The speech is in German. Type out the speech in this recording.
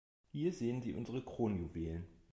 Hier sehen Sie unsere Kronjuwelen.